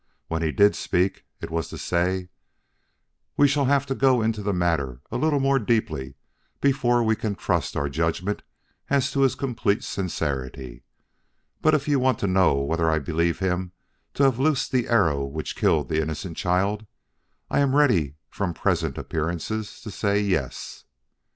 When he did speak it was to say: "We shall have to go into the matter a little more deeply before we can trust our judgment as to his complete sincerity. But if you want to know whether I believe him to have loosed the arrow which killed that innocent child, I am ready from present appearances to say yes.